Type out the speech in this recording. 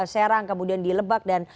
serang kemudian di lebak dan